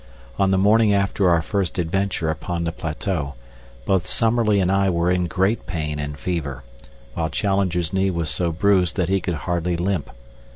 On the morning after our first adventure upon the plateau, both Summerlee and I were in great pain and fever, while Challenger's knee was so bruised that he could hardly limp.